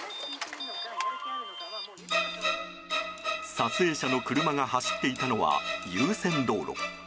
撮影者の車が走っていたのは優先道路。